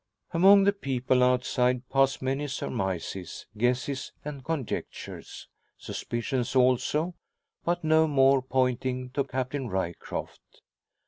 Among the people outside pass many surmises, guesses, and conjectures. Suspicions also, but no more pointing to Captain Ryecroft.